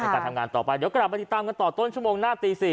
การทำงานต่อไปเดี๋ยวกลับมาติดตามกันต่อต้นชั่วโมงหน้าตี๔